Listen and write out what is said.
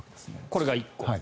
これが１個。